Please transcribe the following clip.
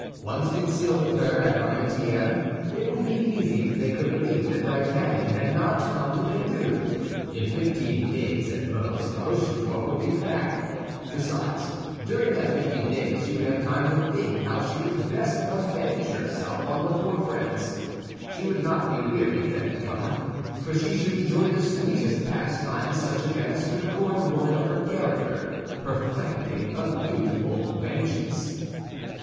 Once concealed with her at Armentières, it would be easy to make her believe that D'Artagnan had not come to Béthune. In fifteen days at most, Rochefort would be back; besides, during that fifteen days she would have time to think how she could best avenge herself on the four friends. She would not be weary, thank God! for she should enjoy the sweetest pastime such events could accord a woman of her character—perfecting a beautiful vengeance.